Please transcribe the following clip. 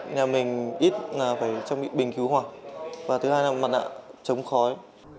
nhà mình ít là phải trang bị bình cứu hỏa và thứ hai là mặt nạ chống khói